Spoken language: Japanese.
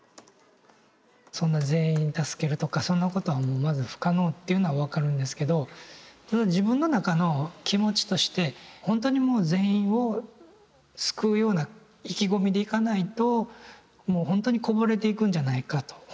そんな全員助けるとかそんなことはまず不可能っていうのは分かるんですけどただ自分の中の気持ちとしてほんとにもう全員を救うような意気込みでいかないともうほんとにこぼれていくんじゃないかと。